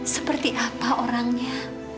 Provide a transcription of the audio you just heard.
seperti apa orangnya